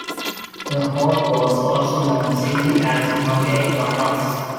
The horde was also known simply as Nogai Tatars.